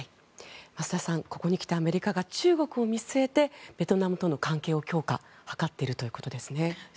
増田さん、ここに来てアメリカが中国を見据えてベトナムとの関係の強化を図っているということですね。